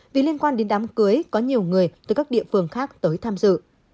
vì liên quan đến đám cưới có nhiều người từ các địa phương khác tới tham dự